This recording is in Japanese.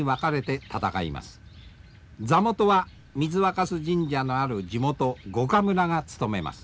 座元は水若酢神社のある地元五箇村が務めます。